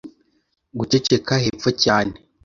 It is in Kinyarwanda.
Guceceka, hepfo cyane.